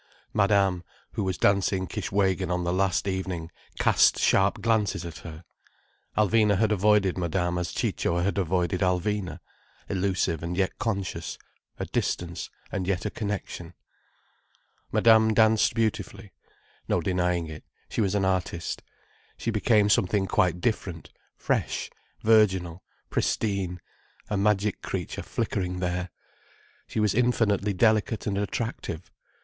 Madame, who was dancing Kishwégin on the last evening, cast sharp glances at her. Alvina had avoided Madame as Ciccio had avoided Alvina—elusive and yet conscious, a distance, and yet a connection. Madame danced beautifully. No denying it, she was an artist. She became something quite different: fresh, virginal, pristine, a magic creature flickering there. She was infinitely delicate and attractive.